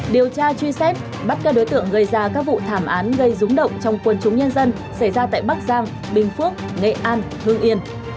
điều tra truy xét bắt các đối tượng gây ra các vụ thảm án gây rúng động trong quân chúng nhân dân xảy ra tại bắc giang bình phước nghệ an hương yên